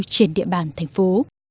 trên địa bàn thành phố